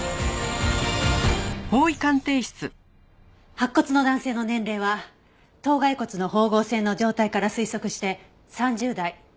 白骨の男性の年齢は頭蓋骨の縫合線の状態から推測して３０代。